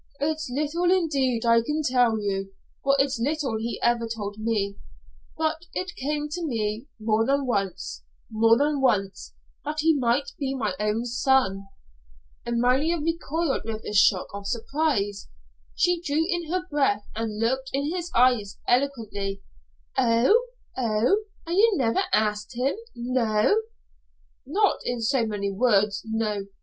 "It's little indeed I can tell you, for it's little he ever told me, but it came to me more than once more than once that he might be my own son." Amalia recoiled with a shock of surprise. She drew in her breath and looked in his eyes eloquently. "Oh! Oh! And you never asked him? No?" "Not in so many words, no.